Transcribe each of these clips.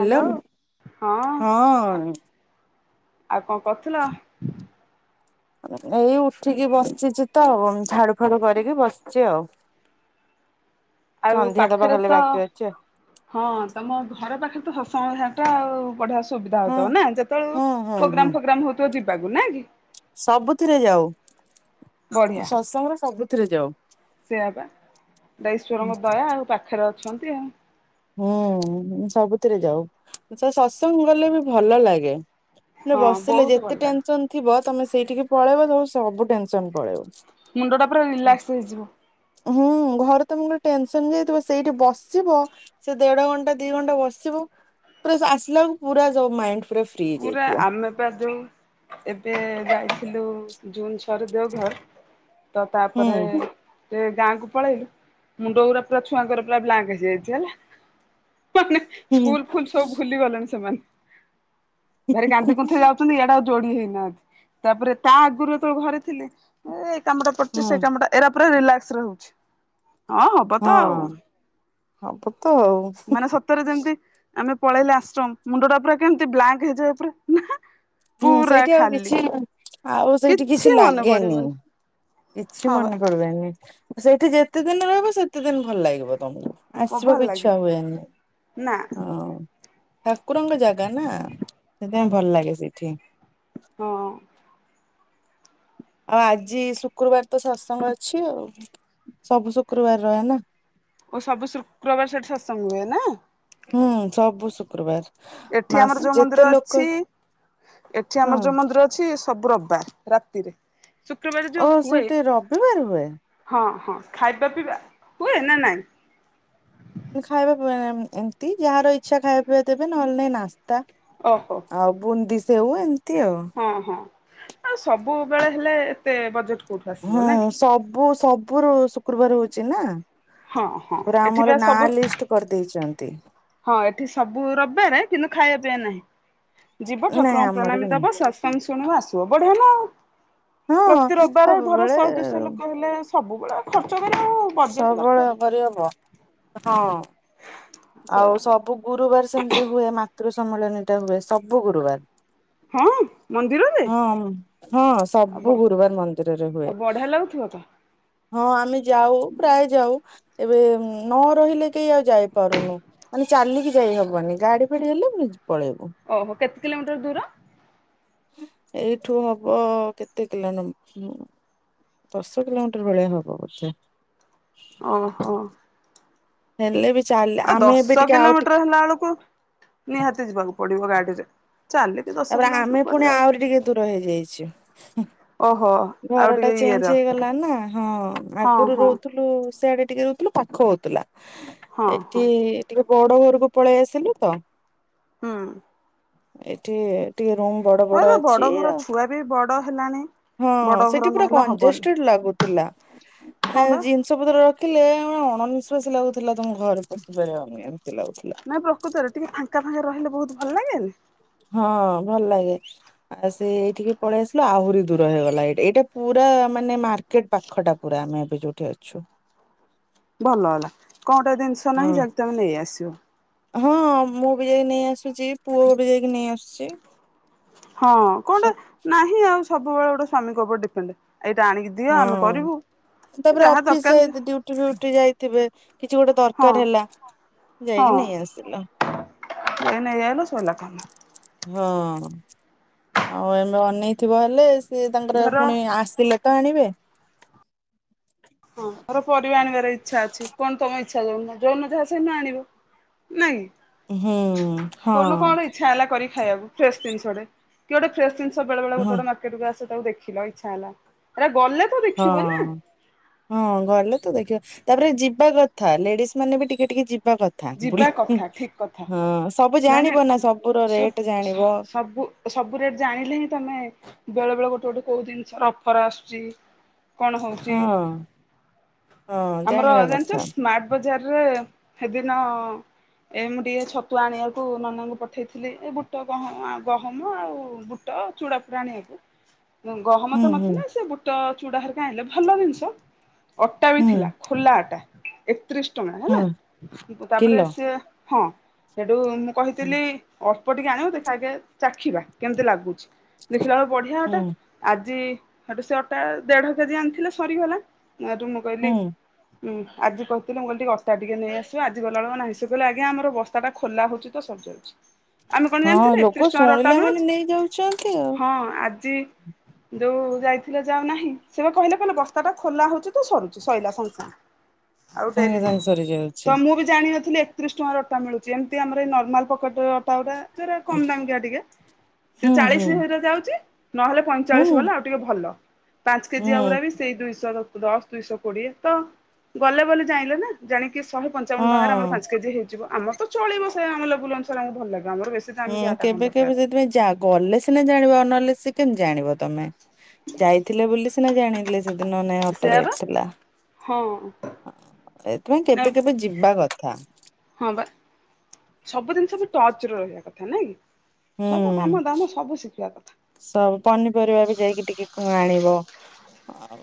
Hello ହଁ ଆ ହଁ ଆଉ କ'ଣ କରୁଥିଲ। ଏଇ ଉଠିକି ବସିଛି ତ ଝାଡୁ, ଫାଡୁ କରିକି ବସିଛି ଆଉ। ଆଉ ସନ୍ଧ୍ୟା ଦବା ପାଖରେ ଖାଲି ତ। ବାକି ଅଛି ଆଉ ହଁ ତମ ଘର ପାଖରେ ତ ସତସଙ୍ଗ ବିହାର ଟା ଆଉ ବଢ଼ିଆ ସୁ। ସୁବିଧା ହୁଁ ହଉଥିବ ନା ଯେତେବେଳୁ ହୁଁ ହୁଁ ହୁଁ ପ୍ରୋଗ୍ରାମ, ଫୋଗ୍ରାମ ହଉଥିବ ଯିବାକୁ ନା କି। ସବୁଥିରେ ଯାଉ ବଢିଆ ସତସଙ୍ଗ ରେ ସବୁଥିରେ। ଯାଉ ସେଇଆ ପା ଏଟା ଈଶ୍ୱରଙ୍କ ଦୟା ଆଉ ପାଖରେ ଅଛନ୍ତି ଆଉ। ହୁଁ ସବୁଥିରେ ଯାଉ ତ ସତ ସଙ୍ଗ ଗଲେ ବି ଭଲ ଲାଗେ। ହଁ ବସିଲେ ବହୁତ ଭଲ ଯେତେ ଲାଗେ ଟେନସନ ଥିବ ତମେ ସେଇଠିକି ପଳେଇବ ସବୁ ଟେନସନ ପଳେଇବ। ମୁଣ୍ଡ ଟା ପୁରା ରିଲାକ୍ସ ହେଇଯିବ। ହୁଁ ଘରେ ତମେ ଯେତେ ଗୋଟେ ଟେନସନ ଯାଇଥିବ ସେଇଠି ବସିବ। ସେ ଦେଢ ଘଣ୍ଟା, ଦି ଘଣ୍ଟା ବସିବ ପୁରା ଆସିଲା ପୁରା ଯୋ ମାଇଣ୍ଡି। ପୁରା ଆମେ ପାଦୁ ଏବେ ଯାଇଥିଲୁ ଜୁନ ଛରେ ଦେଉ ଘର। ତ ତାପରେ ହୁଁ ଗାଁକୁ ପଳେଇଲୁ ମୁଣ୍ଡ ଗୁରା ପୁରା ଛୁଆଙ୍କର ପୁରା ବ୍ଲାଙ୍କ ହେଇଯାଇଛି ହେଲା। ମାନେ ହୁଁ ସ୍କୁଲ ଫୁଲୁ ସବୁ ଭୁଲି ଗଲାଣି ସେମାନେ। ଭାରି କାନ୍ଦି କୁନ୍ଥେଇ ଯାଉଛନ୍ତି। ଇଆଡା ଆଉ ଯୋଡି ହେଇନାହାନ୍ତି। ତାପରେ ତା ଆଗରୁ ଯେତେବେଳେ ଘରେ ଥିଲି। ଏ ଏଇ କାମଟା ପଡୁଛି ସେ ହୁଁ କାମଟା ଏରା ପୁରା ରିଲାକ୍ସ ରହୁଛି। ହଁ ହବ ତ ଆଉ। ମାନେ ସତରେ ଯେମିତି ଆମେ ପଳେଇଲେ ଆଶ୍ରମ। ମୁଣ୍ଡ ଟା ପୁରା କେମିତି ବ୍ଲାଙ୍କ ହେଇଯାଏ ପୁରା ନା। ହୁଁ ପୁରା ସେଇଠି ଆଉ ଖାଲି କିଛି ଆଉ ସେଇଠି କିଛି ମନେ ଲାଗେନି। ପଡିବନି କିଛି ହଁ ମନେ କରିବନି ସେଇଠି ଯେତେ ଦିନ ରହିବ ସେତେ ଦିନି ଭଲ ଲାଗିବ ତମକୁ। ବା ଭଲ ଆସିବାକୁ ଲାଗିବ ଇଚ୍ଛା ହୁଏନି। ନା ହଁ ଠାକୁରଙ୍କ ଜାଗା ନା ହଁ ସେଥିପାଇଁ ବା ଭଲ ଲାଗେ ସେଠି। ଠି। ହଁ। ଆଉ ଆଜି ଶୁକ୍ରବାର ତ ସତ୍ସଙ୍ଗ ଅଛି ଆଉ ସବୁ ଶୁକ୍ରବାର ରହେ ନା। ଓ ସବୁ ଶୁକ୍ରବାର ସେଠି ସତ୍ସଙ୍ଗ ହୁଏ ନା? ହୁଁ ସବୁ ଶୁକ୍ରବାର। ଏଠି ମାସ ଆମର ଯୋଉ ଯେତେ ମନ୍ଦିର ଲୋକ ଅଛି। ଏଠି ହଁ ଆମର ଯୋଉ ମନ୍ଦିର ଅ- ଅଛି ସବୁ ରବା ରାତିରେ। ଶୁକ୍ରବାର ଓ ଯୋଉ ହୁଏ ସେଇଠି ରବିବାର ହୁଏ? ହଁ ହଁ ଖାଇବା ପିଇବା ହୁଏ ନା ନାଇଁ? ଖାଇବା ପିଇବା ନାଇ ଏମିତି ଯାହାର ଇଚ୍ଛା ଖାଇବା ପିଇବା ଦେବେ ନହେଲେ ନାଇଁ ନାସ୍ତା ଓହୋ। ଆଉ ବୁନ୍ଦି ସେଓ ଏମିତି ଆଉ। ହଁ ହଁ ଆଉ ସବୁବେଳେ ହେଲେ ଏତେ ବଜେଟ ହଁ ସବୁ ସବୁ ରୁ ଶୁକ୍ରବାର ହଉଛି ନା। ହଁ ହଁ ପୁରା ଏଠି ବା ଆମର ନାଁ ସବୁ ଲିଷ୍ଟ କରିଦେଇଛନ୍ତି। ହଁ ଏଠି ସବୁ ରବିବାରେ କିନ୍ତୁ ଖାଇବା ପିଇବା ନାହିଁ। ଯିବ ନାଇଁ ଠାକୁରଙ୍କୁ ଆମର ପ୍ରଣାମୀ ବି ନାହିଁ ଦବ ସତସଙ୍ଗ ଶୁଣିବ ଆସିବ ବଢିଆ ନା ଆଉ। ହଁ ପ୍ରତି ରବିବାର ଧର ସବୁବେଳେ ଶହେ ଦୁଇଶହ ଲୋକ ହେଲେ ସବୁବେଳେ ଖର୍ଚ୍ଚ କରି ସବୁବେଳେ କରିହବ ହଁ। ଆଉ ସେଇଆ ସବୁ ଗୁରୁବାର ସେମିତି ହୁଏ ମାତୃ ସମ୍ମିଳନୀ ଟା ହୁଏ ସବୁ ଗୁରୁବାର। ହଁ ମନ୍ଦିରରେ ହଁ ହଁ ଆଉ ବ ସବୁ ଗୁରୁବାର ମନ୍ଦିରରେ ହୁଏ। ଆଉ ବଢିଆ ଲାଗୁଥିବ ତ? ହଁ ଆମେ ଯାଉ ପ୍ରାୟ ଯାଉ ଏବେ ନ ରହିଲେ କେହି ଆଉ ଯାଇ ପାରୁନୁ ମାନେ ଚାଲିକି ଯାଇ ହବନି ଗାଡି ଫାଡି ହେଲେ ପ ପଳେଇବୁ। ଓହୋ କେତେ କିଲୋମିଟର ଦୂର? ଏଇଠୁ ହବ କେତେ କିଲୋ ନମ୍ବର? ଦଶ କିଲୋମିଟର ଭଲିଆ ହବ ବୋଧେ। ଓହୋ। ହେଲେ ବି ଚାଲ ଆଉ ଦଶ କିଲୋମିଟର ହେଲା ବେଳକୁ ନିହାତି ଯିବାକୁ ପଡିବ ଗାଡିରେ। ଚାଲିକି ଦଶ ତାପରେ ଆମେ କିଲୋମିଟର ପୁଣି କୁଆଡେ ଯାଇ ଆହୁରି ଟିକେ ଦୂର ହେଇଯାଇଛୁ ଓହୋ। ଆଉ ଘର ଟା ଟିକେ ଇଏ ର ଚେଞ୍ଜ ହେଇଗଲା ନା। ହଁ ହଁ ଆଗରୁ ହଁ ରହୁଥୁ ଲୁ ସେଆଡେ ଟିକେ ରହୁଥିଲୁ ପାଖ ହଉଥିଲା। ହଁ ହଁ ଏଠି ଟିକେ ବଡ ଘରକୁ ପଳେଇ ଆସିଲୁ ତ। ହୁଁ। ଏଠି ଟିକେ ରୁମ୍ ବଡ ମୋର ବଡ ଅଛି ଘର ଆଉ। ଛୁଆ ବି ବଡ ହେଲାଣି। ହଁ ବଡ ଘର ସେଠି ପୁରା ନହେଲେ ହବନି କଂଜେଷ୍ଟଡ୍ ଲାଗୁଥିଲା। ମାନେ ହଁ ବା। ଜିନିଷ ପତ୍ର ରଖିଲେ ଅଣନିଶ୍ଵାସୀ ଲାଗୁଥିଲା ତମ ଘରେ ପଶିପାରିବନି ଏମତି ଲାଗୁଥିଲା। ନାଇଁ ପ୍ରକୃତରେ ଟିକେ ଫାଙ୍କା ଫାଙ୍କା ରହିଲେ ବୋହୁତ ଭଲ ଲାଗେନି? ହଁ ଭଲ୍ ଲାଗେ। ଆଉ ସେ ଏଇଠିକି ପଳେଇ ଆସିଲା ଆହୁରି ଦୂର ହେଇଗଲା ଏଠି ଏଇଟା ପୁରା ମାନେ ମାର୍କେଟ ପା ଖଟା ପୁରା ଆମେ ଏବେ ଯୋଉଠି ଅଛୁ। ଭଲ ହେଲା, କଣ ଗୋଟା ଜିନିଷ ହଁ। ନାହିଁ ଯାଇକି ତମେ ନେଇ ଆସିବ। ହଁ ମୁଁ ବି ଯାଇକି ନେଇ ଆସୁଛି ପୁଅ, ବି ଯାଇକି ନେଇ ଆସୁଛି। ହଁ କଣ ଟା ନାହିଁ ଆଉ ସବୁବେଳେ ଗୋଟେ ସ୍ୱାମୀଙ୍କ ଉପରେ ଡିପେଣ୍ଡ ଏଇଟା ଆଣିକି ଦି ଦିଅ ଆମେ ହଁ। କରିବୁ। ତାପରେ ଯାହା ଅଫିସ ଦରକାର ଯାଇ ଡୁଟି ଫିଉଟି ଯାଇଥିବେ କିଛି ଗୋଟେ ହଁ ଦରକାର ହେଲା। ଯାଇକି ହଁ ନେଇ ଆସିଲ। [unintelligible] ହଁ, ଆଉ ଏବେ ଅନେଇଥିବ ହେଲେ ସେ ତାଙ୍କର ଧର ପୁଣି ଆସିଲେ ତ ଆଣିବେ। ହଁ ଧର ପରିବା ଆଣିବାର ଇଚ୍ଛା ଅଛି କଣ ତମ ଇଚ୍ଛା ଯୋଉନ ଯୋଉନ ଯାହା ସେଇନ ଆଣିବ। ନାଇଁ। ହୁଁ-ଉଁ- କୋଉଦିନ ହଁ। କଣ ଇଚ୍ଛା ହେଲା କରି ଖାଇବାକୁ ଫ୍ରେଶ୍ ଜିନିଷ ଟେ କିଏ ଗୋଟେ ଫ୍ରେଶ ଜିନିଷ ବେଳେ ଗୋଟେ ଗୋଟେ ହଁ ମା ମାର୍କେଟ କୁ ଆସ ତାକୁ ଦେଖିଲ ଇଚ୍ଛା ହେଲା ଏ ଗଲେ ତ ହଁ। ଦେଖିବ ନା ହଁ ଗଲେ ତ ଦେଖିବା ତାପରେ ଯିବା କଥା ଲେଡିସ୍ ମାନେ ବି ଟିକେ ଟିକେ ଯିବା କ ଯିବା କଥା ଠିକ [unintelligible] କଥା ହଁ ସବୁ ନାଇଁ ନାଇଁ ଜାଣିବ ନା ସବୁର ସବ ରେଟ୍ ସ ଜାଣିବ। ସବୁ ସବୁ ରେଟ୍ ଜାଣିଲେ ହିଁ ତମେ ବେଳେ ବେଳେ ଗୋଟେ ଗୋଟେ କୋଉ ଜିନିଷର ଅଫର୍ ଆସୁଛି। କଣ ହୋଉଛି, ହଁ ହଁ ଆମର ଜାଣିବା ଜାଣିଛ କଥା ସ୍ମାର୍ଟ ବଜାରରେ [unintelligible] ଏ ମୁଁ ଟିକେ ଛତୁ ଆଣିବାକୁ ନନାଙ୍କୁ ପଠେଇଥିଲି, ଏ ବୁଟ ଗହମ ଆ ଗହମ ଆଉ ବୁ ବୁଟ ଚୁଡ଼ା ଫୁଡ଼ା ଆଣିବାକୁ। ଗହମ ହୁଁ ତ ହୁଁ ନଥିଲା ସେ ବୁଟ ଚୁଡ଼ା ହେରିକା ଆଣିଲେ ଭଲ ଜିନିଷ, ଅଟା ବି ହୁଁ ଥିଲା। ଖୋଲା ଅଟା ଏକତିରିଶି ଟଙ୍କା ହେଲା ହଁ ତାପରେ କିଲୋ ସିଏ ହଁ ସେଠୁ ମୁଁ ହୁଁ କହିଥିଲି ଅଳ୍ପ ଟିକେ ଆଣିବୁ ଦେଖା ଆଗେ ଚାଖିବା କେମିତି ଲାଗୁଛି, ଦେଖିଲା ବେଳକୁ ବଢିଆ ଅଟା। ହୁଁ ଆଜି ହେଟୁ ସେ ଅଟା ଦେଢକେଜି ଆଣିଥିଲେ ସରିଗଲା ସେଠୁ ମୁଁ କହିଲି ହୁଁ ହୁଁ ଆଜି କହୁଥିଲି ମୁଁ କହିଲି ଟିକେ ଅଟା ଟିକେ ନେଇଆସ ଆଜି ଗଲାବେଳକୁ ନାହିଁ ସେ କହିଲେ ଆଜ୍ଞ ଆମର ବସ୍ତାଟା ଖୋଲା ହଉଛି ତ ସରିଯାଉଛି। ଆମେ କଣ ହଁ ଜାଣିଥିଲେ ଲୋକ ଏକତିରିଶି ଟଙ୍କାର ଅଟା ଶୁଣିଲା ମାନେ ମିଳୁଛି, ନେଇଯାଉଛନ୍ତି ଆଉ ହଁ ଆଜି ଯୋଉ ଯାଇଥିଲେ ଯାଉ ନାହିଁ ସେ ବା କହିଲେ କହିଲେ ବସ୍ତା ଟା ଖୋଲା ହୋଉଛି ତୁ ସରୁଚି ସଇଲା ସାଙ୍ଗ୍ ସାଙ୍ଗ୍, ଆଉ ଡେରି ନା [unintelligible] ତ ମୁଁ ବି ଜାଣିିନଥିଲି ଏକତିରିଶି ଟଙ୍କାର ଅଟା ମିଳୁଛି ଏମତି ଆମ ଏଇ ନର୍ମାଲ ପକେଟେ ଅଟା ଗୋଟା ଯୋଉରା କମ୍ ଦାମକିଆ ଟିକେ, ସେ ହୁଁ ହୁଁ ଚାଳିଶି ରେ ଯାଉଛି, ନହେଲେ ହୁଁ ପଇଁଚାଳିଶ ବାଲା ଆଉ ଟିକେ ଭଲ, ପାଞ୍ଚକେଜିଆ ହୁଁ ଗୁରା ବି ସେଇ ଦୁଇଶହ ଦଶ ଦୁଇଶହ କୋଡିଏ ତ ଗଲେ ବୋଲି ଜାଣିଲେ ନା ଜାଣି କି ଶହେ ପଞ୍ଚାବନ ଟଙ୍କାର ଆମର ହଁ ପାଞ୍ଚ କେଜି ହେଇଯିବ ଆମ ତ ଚଳିବ ସେ ଆମ ଲେବୁଲ ଅନୁସାରେ ଆମକୁ ଭଲ ଲାଗିବ ଆମର ବେଶୀ ହୁଁ ଦାମିକିଆ ଅଟା କଣ କେବେ ଦରକାର। କେବେ ସେଥିପାଇଁ ଜାଗ୍ ଗଲେ ସିନା ଜାଣିବ ନହେଲେ ସେ କେମିତି ଜାଣିବ ତମେ ଯାଇଥିଲେ ବୋଲି ସିନା ଜାଣିଲେ। ସେଦିନ ନାଇଁ ଅଟା ସେୟା ବା ରେଟ ଥିଲା। ହଁ। ଏଇଥିପାଇଁ କେବେ ନା କେବେ ଯିବା କଥା। ହଁ ବା ସବୁ ଜିନିଷ ବି ଟଚ୍ ରେ ରହିବା କଥା ନାଇଁ କି। ହୁଁ ସବୁ କାମ ଦାମ ସବୁ ଶିଖିବା କ ସବୁ ପନିପରିବା ବି ଯାଇକି ଟିକେ କ ଆଣିବ। ଆଉ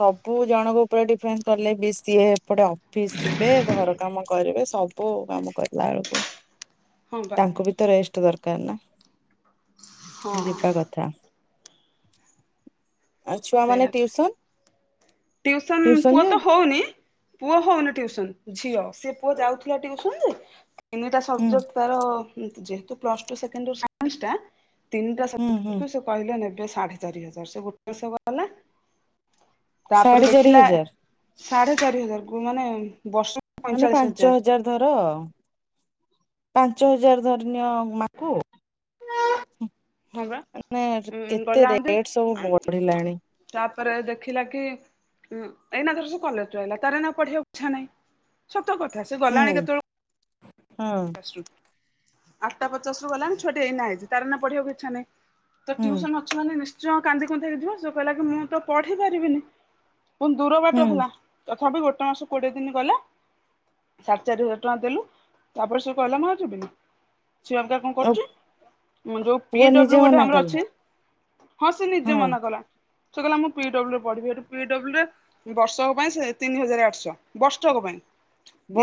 ସବୁ ଜଣଙ୍କ ଉପରେ ଡିଫେଣ୍ଡ କଲେ ବି ସିଏ ଏପଟେ ଅଫିସ ଯିବେ ଘର କାମ କରିବେ ସବୁ କାମ କରିଲା ବେଳକୁ ହଁ ବା ତାଙ୍କୁ ବି ତ ରେଷ୍ଟ ଦରକାର ନା। ହଁ ଯିବା କଥା। ଆଉ ଛୁଆ ମାନେ ଟିଉସନ ଟ୍ୟୁଶନ୍ ଟିଉସନ ପୁଅ ଯେ ତ ହଉନି ପୁଅ ହଉନି ଟିଉସନ ଝିଅ ସେ ପୁଅ ଯାଉଥିଲା ଟିଉସନ ଯେ ତିନିଟା ହୁଁ ସବଜେକ୍ଟ ତାର ଯେହେତୁ ପ୍ଲସ ଟୁ ସେକେଣ୍ଡିଅର ସାଇନ୍ସ ଟା ତିନି ଟା ହୁଁ ହୁଁ ସବଜେକ୍ଟ କୁ ସେ କହିଲେ ନେବେ ସାଢେ ଚାରି ହଜାର ସେ ଗୋଟେ ସ ଗଲା ତାପରେ ସାଢେ ଚାରି ଦେଖିଲା ହଜାର ସାଢେ ଚାରି ହଜାର କୁ ମାନେ ବର୍ଷୁ ମାନେ ପାଞ୍ଚ ହଜାର ଧର ପାଞ୍ଚ ହଜାର ଧରିନିଅ ମା କୁ। ହଁ ବା ମାନେ ଉଁ କେତେ ଗଲାନ୍ତି ରେଟ ସବୁ ଏମ୍ ହ ବଢିଲାଣି ତାପରେ ଦେଖିଲା କି ଉୁଁ ଏଇନା ଧର ସେ କଲେଜରୁ ଆଇଲା ତାର ଏଇନା ପଢିବାକୁ ଇଛା ନାହିଁ ସତ କଥା ସେ ଗଲାଣି କେତେବେଳୁ ହୁଁ। ଆଠଟା ପଚାଶ ରୁ ଗଲାଣି ଛୁଆଟି ଏଇନା ଆଇଚି ତାର ଏଇନା ପଢିବାକୁ ଇଚ୍ଛା ନାହିଁ। ତ ହୁଁ ଟ୍ୟୁସନ ଅଛି ମାନେ ନିଶ୍ଚୟ କାନ୍ଦି କୁନ୍ଦାକି ଯିବ ସେ କହିଲା କି ମୁଁ ତ ପଢି ପାରିବିନି। ପୁଣି ଦୂର ବାଟ ହୁଁ ହେଲା ତଥାପି ଗୋଟେ ମାସ କୋଡ଼ିଏ ଦିନ ଗଲା ସାଢ଼େ ଚାରି ହଜାର ଟଙ୍କା ଦେଲୁ ତାପରେ ସେ କହିଲା ମୁଁ ଆଉ ଯିବିନି। ସିଏ ଅବିକା କଣ ଆଉ କରୁଚି ଯୋଉ ପି ପୁଅ ନିଜେ ଡବ୍ଲ୍ୟୁ ଗୋଟେ ମନା ଆମର କଲା ଅଛି ହଁ ସେ ନିଜେ ମନା କଲା ସେ କହିଲା ମୁଁ ପି ଡବ୍ଲ୍ୟୁ ରେ ପଢିବି ହେଠୁ ପି ଡବ୍ଲ୍ୟୁ ରେ ବର୍ଷକ ପାଇଁ ସେ ତିନି ହଜାର ଆଠଶହ ବର୍ଷକ ପାଇଁ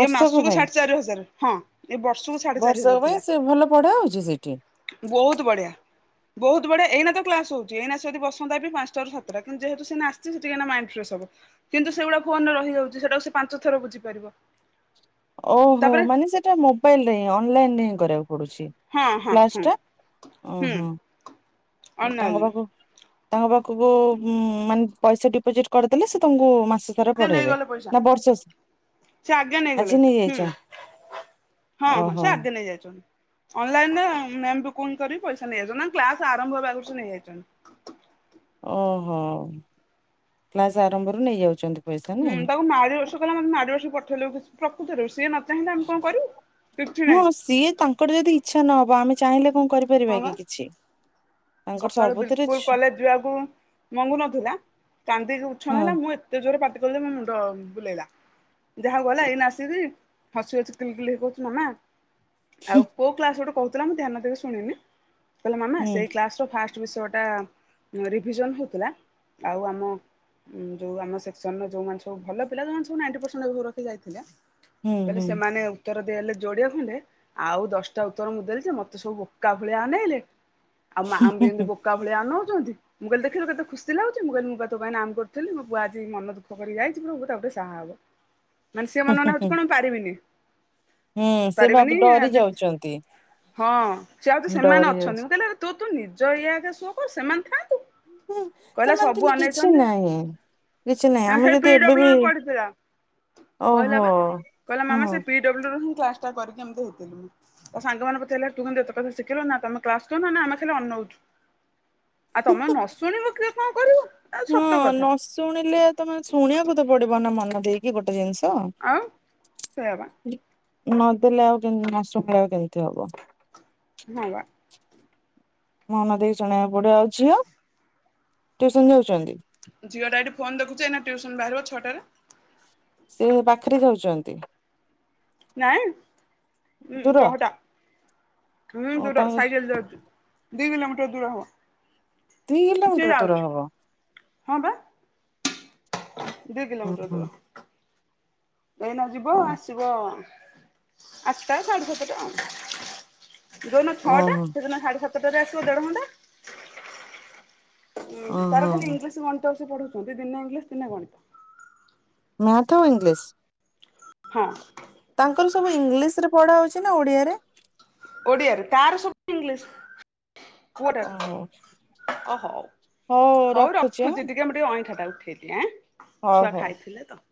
ଇଏ ମାସକୁ ପାଇଁ। ସାଢେ ଚାରି ହଜାରେ ହଁ। ଏ ବର୍ଷକୁ ସାଢେ ଚାରି ବର୍ଷକ ହଜାର ଥିଲା ପାଇଁ ସେ ଭଲ ପଢା ହଉଚି ସେଇଠି? ବହୁତ ବଢିଆ। ବହୁତ ବଢିଆ ଏଇନା ତ କ୍ଲାସ ହଉଚି ଏଇନା ଯଦି ବସନ୍ତା ବି ପାଞ୍ଚଟାରୁ ସାତଟା କିନ୍ତୁ ଯେହେତୁ ସେ ଆସିଛି ସେ ଏଇନା ମାଇଣ୍ଡ ଫ୍ରେସ୍ ହବ। କିନ୍ତୁ ସେଗୁଡା ଫୋନରେ ରହିଯାଉଚି ସେଟାକୁ ସେ ପାଞ୍ଚ ଥର ବୁଝିପାରିବ। ଓହୋ ତାପରେ ମାନେ ସେଟା ମୋବାଇଲ ରେ ହିଁ ଅନଲାଇନ ରେ ହିଁ କରିବାକୁ ପଡୁଛି। ହଁ ହଁ କ୍ଲାସ୍ ହଁ। ଟା ହୁଁ ଓହୋ ଅନା ତାଙ୍କ ଅନା ପାଖକୁ ତାଙ୍କ ପାଖକୁ ଉଁ ମାନେ ପଇସା ଡିପୋଜିଟ କରିଦେଲେ ସେ ତମକୁ ମାସ ସେ ପଢେଇବେ ନେଇଗଲେ ପଇସା ନା ବର୍ଷସ୍ ସେ ଆଗେ ନେଇଗଲେ ଆଜି ହୁଁ। ନେଇଯାଇଚନ୍ତ ହଁ ହଁ ସେ ଆଗେ ନେଇ ଯାଇଚନ୍ତି। ଅନଲାଇନରେ ମେ [unintelligible] କରିକି ପଇସା ନେଇଯାଇଚନ୍ତି ନା କ୍ଲାସ୍ ଆରମ୍ଭରୁ ଆଗରୁ ନେଇଯାଇଚନ୍ତି। ଓହୋ କ୍ଲାସ ଆରମ୍ଭରୁ ନେଇଯାଉଚନ୍ତି। ହୁଁ ତାକୁ ମାଡି ବସି କଲା ମୋତେ ମାଡି ବସି ପଠେଇଲେ କିଛି ପ୍ରକୃତରେ ସିଏ ନ ଚାହିଁଲେ ଆମେ କଣ କରିବୁ। କିଛି ନାହିଁ ହଁ ସିଏ ତାଙ୍କର ଯଦି ଇଚ୍ଛା ନହବ ଆମେ ଚାହିଁଲେ କଣ କରି ହଁ ବା [unintelligible] କିଛି। ସକାଳୁ ସବୁଥିରେ ବିଲକୁଲ ଛୁ କଲେଜ ଯିବାକୁ ମଙ୍ଗୁ ନଥିଲା। କାନ୍ଦିକି ଉଛନ ହଁ ହେଲା ମୁଁ ଏ ଏତେ ଜୋରରେ ପାଟି କଲି ମୋ ମୁଣ୍ଡ ବୁଲେଇଲା ଯାହା ହଉ ଗଲା ଏଇନା ଆସିକି ହସି ହସି କିଲି କିଲି ହେଇକି କହୁଚି ମାମା ଆଉ କୋଉ କ୍ଲାସ ଗୋଟେ କହୁଥିଲା ମୁଁ ଧ୍ୟାନ ଦେଇ ଶୁଣିନି କହିଲା ମାମା ହୁଁ ସେଇ କ୍ଲାସର ଫାଷ୍ଟ ବିଷୟ ଟା ରିଭିଜନ୍ ହଉଥିଲା ଆଉ ଆମ ଉଁ ଯୋଉ ଆମ ସେକ୍ସନରେ ଯୋଉମାନେ ସବୁ ଭଲ ପିଲା ଯୋଉମାନେ ସବୁ ନାଇଣ୍ଟି ପର୍ସେଣ୍ଟ ଏଭବ ରଖିକି ଯାଇଥିଲେ। ହୁଁ କହିଲେ ହୁଁ। ସେମାନେ ଉତ୍ତର ଦେଲେ ଯୋଡିଏ ଖଣ୍ଡେ ଆଉ ଦଶଟା ଉତ୍ତର ମୁଁ ଦେଲି ଯେ ମତେ ସବୁ ବୋକା ଭଳିଆ ଅନେଇଲେ ଆଉ ମାମ୍ ବି ହୁଁ ଯେମିତି ହୁଁ ବୋକା ଭଳିଆ ଅନଉଚନ୍ତି। ମୁଁ କଇଲି ଦେଖିଲୁ କେତେ ଖୁସି ଲାଗୁଚି ମୁଁ କଇଲି ମୁଁ ପା ତୋ ପାଇଁ ନାମ୍ କରୁଥିଲି ମୋ ପୁଅ ଆଜି ମନ ଦୁଃଖ କରିକି ଯାଇଚି ପ୍ରଭୁ ତାକୁ ଟିକେ ସାହା ହବ। ମାନେ ସିଏ ହୁଁ ମନେ ମନେ ହୁଁ ଭାବୁଛି ହୁଁ କଣ ମୁଁ ପାରିବିନି। ହୁଁ ସେ ପାରିବିନି ଭାବି ଡରି ଆଜିତ ଯାଉଛନ୍ତି। ହଁ ତା ତୁ ସେମାନେ ଡରି ଯାଉଛି। ଅଛନ୍ତି ମୁଁ କହିଲେ ଆବେ ତୁ ତୋ ନିଜ ଇଏ ଆଗେ ଶୋ କର ସେମାନେ ଥାଆନ୍ତୁ। ହୁଁ କହିଲା ସେମାନେ ସବୁ ଥିଲେ କିଛି ଅନେଇଛନ୍ତି ନାହିଁ। କିଛି ନାହିଁ ଆମେ ସେ ପି ଯଦି ଏବେ ଡବ୍ଲୁ ବି ରୁ ପଢିଥିଲା ଓହୋ ହୁଁ [unintelligible] କ୍ଲାସଟା କରିକି ଏମିତି [unintelligible] ତ ସାଙ୍ଗମାନେ ପଚାରିଲେ ତୁ କେମିତି ଏତେ କଥା ଶିଖିଲୁ ନା ତମେ କ୍ଲାସ୍ କରୁନ ନା ଆମେ ଖାଲି ଅନଉଚୁ। ଆଉ ତମେ ନ ଶୁଣିବ କିଏ କଣ କରିବ ଆଉ ସତ ହଁ ନ କଥା। ଶୁଣିଲେ ତମେ ଶୁଣିଆକୁ ତ ପଡିବ ନା ମନ ଦେଇକି ଗୋଟେ ଜିନିଷ। ଆଉ ସେଇଆ ବା। ନଦେଲେ ଆଉ ଯେ ନ ଶୁଣିଲେ ଆଉ କେମତି ହବ। ହଁ ବା। ମନ ଦେଇକି ଶୁଣିଆକୁ ପଡିବ ଆଉ ଝିଅ ଟିଉସନ୍ ଯାଉଚନ୍ତି? ଝିଅଟା ଏଠି ଫୋନ ଦେଖୁଛି ଏଇନା ଟିଉସନ୍ ବାହାରିବ ଛଅଟାରେ। ସେ ପାଖରେ ଯାଉଚନ୍ତି? ନାଇଁ ଉଁ ଦୂର ଚହଟା ହୁଁ ଓ ଦୂର ତାଙ୍କ ସାଇକେଲରେ ଯାଉଚି। ଦି କିଲୋମିଟର ଦୂର ହବ। ଦି ସିଏ କିଲୋମିଟର ଦୂର ଯାଉଛି ହବ। ହଁ ପା। ଦି କିଲୋମିଟର ଓହୋ ଦୂର। ଏଇନା ଯିବ ଆସିବ ଆଠଟା ସାଢେ ସାତଟା। ଯୋଉଦିନ ଛଅଟା ଓହୋ ସେଇଦିନ ସାଢେ ସାତଟାରେ ଆସିବ ଦେଢଘଣ୍ଟା। ଉଁ ତାର ଓହୋ ଖାଲି ଇଂଲିଶ ଗଣିତ ସେ ପଢଉଛନ୍ତି ଦିନେ ଇଂଲିଶ ଦିନେ ଗଣିତ। ମ୍ୟାଥ ଆଉ ଇଂଲିଶ୍। ହଁ। ତାଙ୍କର ସବୁ ଇଂଲିଶ୍ ରେ ପଢା ହଉଛି ନା ଓଡିଆରେ? ଓଡ଼ିଆରେ ତାର ସବୁ ଇଂଲିଶ୍। ପୁଅଟାର ଓହୋ ଓ ହୋଉ ହଉ ହୋଉ ରଖୁଛି ଆଁ ରଖୁଚି ଟିକେ ମୁଁ ଟିକେ ଅଇଁଠା ଟା ଉଠେଇଦିଏ ଆଁ ହଉ ଛୁଆ ହଉ। ଖାଇଥିଲେ ତ।